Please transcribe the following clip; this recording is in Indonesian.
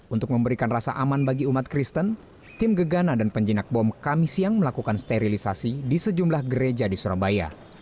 untuk memberikan rasa aman bagi umat kristen tim gegana dan penjinak bom kami siang melakukan sterilisasi di sejumlah gereja di surabaya